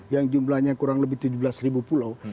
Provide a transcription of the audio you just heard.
yang jumlahnya kurang lebih tujuh belas ribu pulau